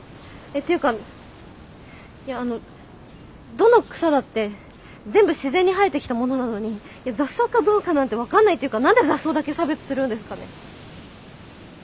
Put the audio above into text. っていうかいやあのどの草だって全部自然に生えてきたものなのに雑草かどうかなんて分かんないっていうか何で雑草だけ差別するんですかね。